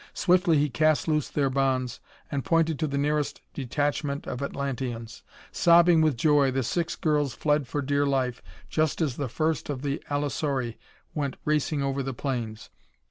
Swiftly he cast loose their bonds and pointed to the nearest detachment of Atlanteans. Sobbing with joy the six girls fled for dear life just as the first of the allosauri went racing over the plains.